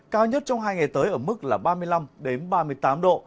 cao nhất trong hai ngày tới ở mức là ba mươi năm ba mươi tám độ